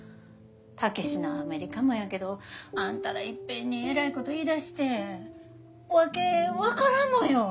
武志のアメリカもやけどあんたらいっぺんにえらいこと言いだして訳分からんのよ。